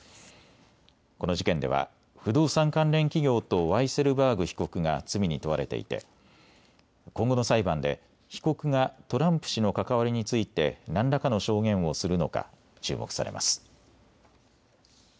この事件では不動産関連企業とワイセルバーグ被告が罪に問われていて今後の裁判で被告がトランプ氏の関わりについて何らかの証言をするのか注目されます。